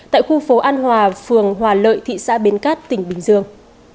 tại khu phố an hòa phường hòa lợi thị xã bến cát tỉnh bình dương